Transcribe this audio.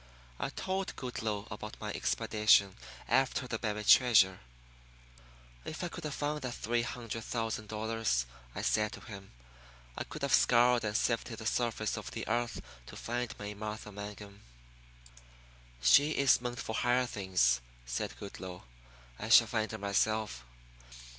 I told Goodloe about my expedition after the buried treasure. "If I could have found that three hundred thousand dollars," I said to him, "I could have scoured and sifted the surface of the earth to find May Martha Mangum." "She is meant for higher things," said Goodloe. "I shall find her myself.